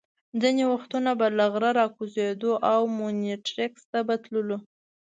ځینې وختونه به له غره را کوزېدو او مونیټریکس ته به تللو.